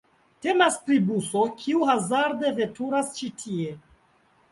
Temas pri buso, kiu hazarde veturas ĉi tie.